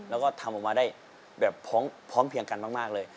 แล้วก็ทำออกมาได้แบบพร้อมเพียงกันมากเลย